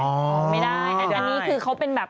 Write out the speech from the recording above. ไม่ได้อันนี้คือเขาเป็นแบบ